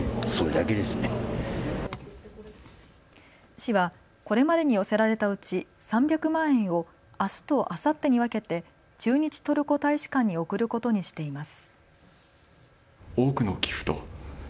市はこれまでに寄せられたうち３００万円をあすとあさってに分けて駐日トルコ大使館に送ることにしています。